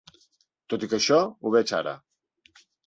Tot i que això ho veig ara.